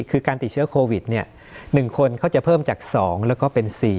คือการติดเชื้อโควิด๑คนเขาจะเพิ่มจาก๒แล้วก็เป็น๔